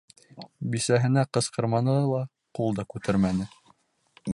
Бисәһенә ҡысҡырманы ла, ҡул да күтәрмәне.